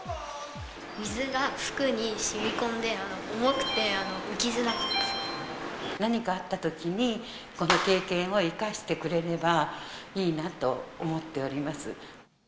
水が服にしみ込んで、重くて何かあったときに、この経験を生かしてくれればいいなと思っております。